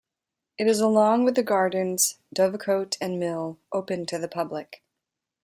It is along with the gardens, dovecote and mill open to the public.